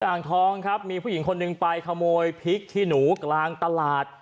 อ่างทองครับมีผู้หญิงคนหนึ่งไปขโมยพริกขี้หนูกลางตลาด